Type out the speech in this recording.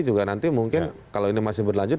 juga nanti mungkin kalau ini masih berlanjut